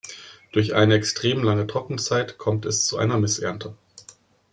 Durch eine extrem lange Trockenzeit kommt es zu einer Missernte.